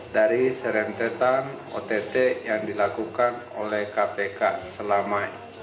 dari serentetan ott yang dilakukan oleh kpk selama itu